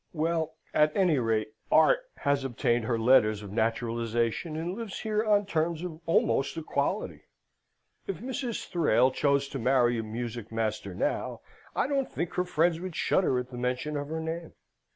Well, at any rate, Art has obtained her letters of naturalisation, and lives here on terms of almost equality. If Mrs. Thrale chose to marry a music master now, I don't think her friends would shudder at the mention of her name.